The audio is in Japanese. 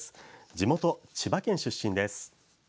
地元・千葉県出身です。